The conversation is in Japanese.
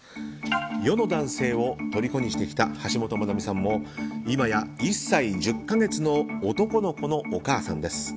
世の男性を虜にしてきた橋本マナミさんも今や１歳１０か月の男の子のお母さんです。